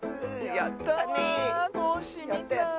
やったね！